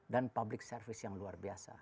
dan public service yang luar biasa